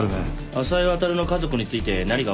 浅井航の家族について何か分かりましたか？